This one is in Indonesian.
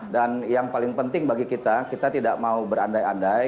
dan yang paling penting bagi kita kita tidak mau berandai andai